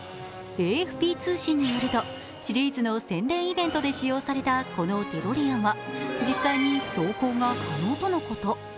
ＡＦＰ通信によると、シリーズの宣伝イベントで使用されたこのデロリアンは、実際に走行が可能とのこと。